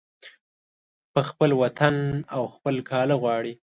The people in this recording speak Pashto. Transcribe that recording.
په خپل وطن او خپل کاله غواړي